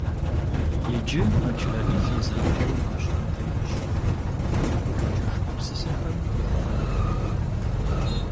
Иджы Мэчрэӏил и закъуэу ӏуащхьэм тетщ и гукъэкӏыж гупсысэхэм я гъэру.